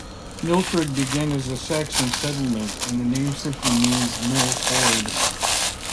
Milford began as a Saxon settlement, and the name simply means "mill ford".